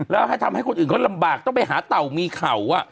แล้วให้ทำให้คนอื่นเขาลำบากต้องไปหาเต่ามีเข่า